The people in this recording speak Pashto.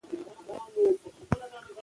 تاریخ د افغانانو ژوند اغېزمن کوي.